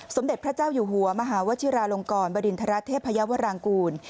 สมเด็จพระเจ้าอยู่หัวมหาวชิราลงกรบริณฑระเทพยาวรางกูล